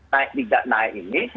naik tidak naik ini